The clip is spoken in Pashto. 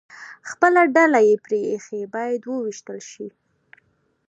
خپله ډله یې پرې ایښې، باید ووېشتل شي.